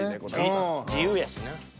自由やしな。